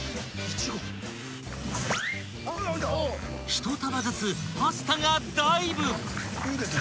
［１束ずつパスタがダイブ！］